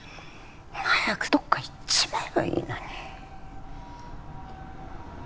早くどっか行っちまえばいいのに。